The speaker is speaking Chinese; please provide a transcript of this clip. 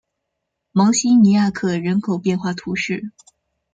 芒西尼亚克人口变化图示